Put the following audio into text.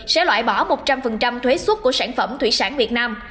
sẽ loại bỏ một trăm linh thuế xuất của sản phẩm thủy sản việt nam